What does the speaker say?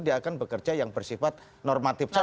dia akan bekerja yang bersifat normatif saja